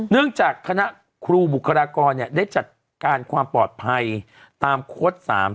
จากคณะครูบุคลากรได้จัดการความปลอดภัยตามโค้ด๓